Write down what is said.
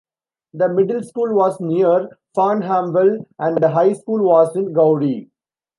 The middle school was near Farnhamville and the high school was in Gowrie.